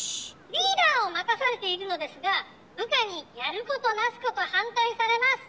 「『リーダーを任されているのですが部下にやることなすこと反対されます。